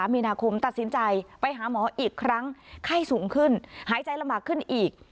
มีนาคมตัดสินใจไปหาหมออีกครั้งไข้สูงขึ้นหายใจลำบากขึ้นอีก